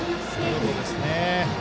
見事ですね。